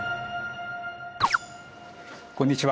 こんにちは。